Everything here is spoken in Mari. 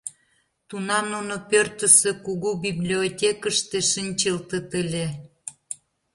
Тунам нуно пӧртысӧ кугу библиотекыште шинчылтыт ыле.